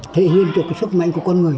thể hiện cho cái sức mạnh của con người